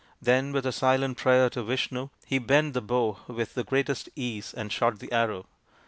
Then with a silent prayer to Vishnu he bent the bow with the greatest ease and shot the arrow.